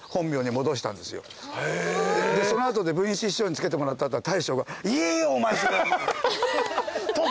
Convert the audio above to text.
その後で文枝師匠に付けてもらったって言ったら大将が。